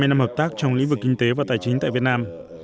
và có ba mươi năm hợp tác trong lĩnh vực kinh tế và tài chính tại việt nam